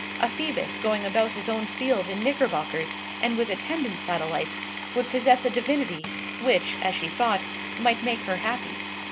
A Phoebus going about his own field in knickerbockers, and with attendant satellites, would possess a divinity which, as she thought, might make her happy.